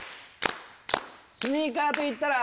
スニーカーと言ったら。